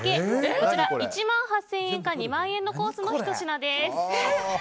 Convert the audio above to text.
こちら、１万８０００円か２万円のコースのひと品です。